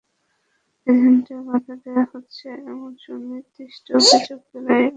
এজেন্টদের বাধা দেওয়া হচ্ছে, এমন সুনির্দিষ্ট অভিযোগ পেলেই আমরা ব্যবস্থা নেব।